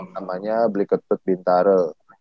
namanya bli ketut bintare